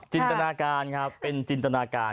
จินตนาการครับเป็นจินตนาการ